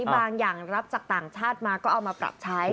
บางอย่างรับจากต่างชาติมาก็เอามาปรับใช้